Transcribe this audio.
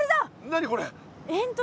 何これ？